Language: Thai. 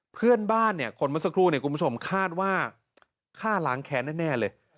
เพื่อนบ้านเนี่ยคนเมื่อสักครู่เนี่ยคุณผู้ชมคาดว่าฆ่าล้างแค้นแน่เลย